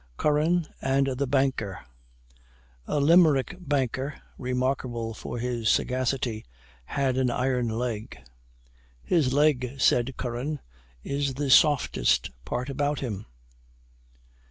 CURRAN AND THE BANKER. A Limerick banker, remarkable for his sagacity, had an iron leg. "His leg," said Curran "is the softest part about him."